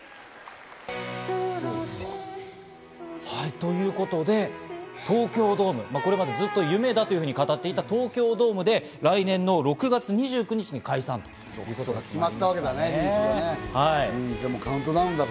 ということで、東京ドーム、これまでずっと夢だと語っていた東京ドームで来年の６月２９日におはようございます。